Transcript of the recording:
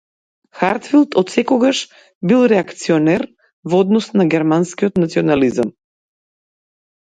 Хартфилд отсекогаш бил реакционер во однос на германскиот национализам.